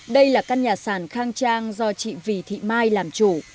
đây là căn nhà sàn khang trang do chị vì thị mai làm chủ